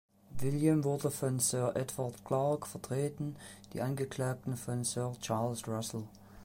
William wurde von Sir Edward Clarke vertreten, die Angeklagten von Sir Charles Russell.